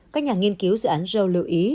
các nhà nghiên cứu dự án joe lưu ý